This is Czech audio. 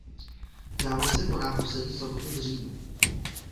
Závod se koná poslední sobotu v říjnu.